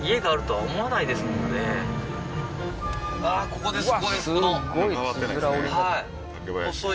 ここです